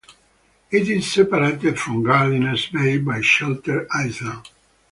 It is separated from Gardiners Bay by Shelter Island.